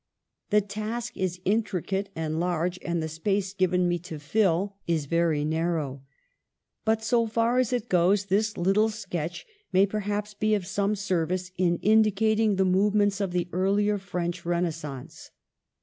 The task is intri cate and large, and the space given me to fill PREFACE. 7 is very narrow. But, so far as it goes, this little sketch may perhaps be of some service in indicating the movements of the earlier French Renaissance.